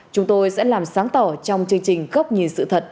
chúng tôi sẽ làm sáng tỏ trong chương trình góc nhìn sự thật